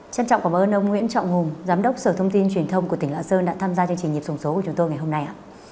trân trọng cảm ơn ông nguyễn trọng hùng giám đốc sở thông tin truyền thông của tỉnh lạng sơn đã tham gia chương trình nhịp sống số của chúng tôi ngày hôm nay